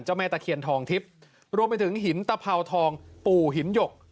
แม่ตะเคียนทองทิพย์รวมไปถึงหินตะเภาทองปู่หินหยก